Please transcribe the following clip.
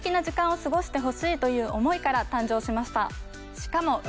しかも。